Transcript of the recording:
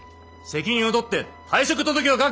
責任を取って退職届を書け！